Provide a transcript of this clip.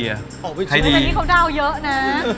ไม่เป็นที่เขาเรียนเยอะนะ